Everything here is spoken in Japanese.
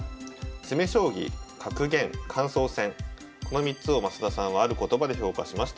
詰将棋格言感想戦この３つを増田さんはある言葉で評価しました。